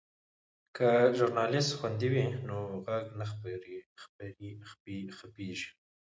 که ژورنالیست خوندي وي نو غږ نه خپیږي.